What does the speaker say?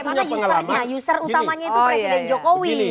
karena usernya user utamanya itu presiden jokowi